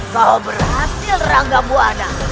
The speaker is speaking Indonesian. kau berhasil rangga buana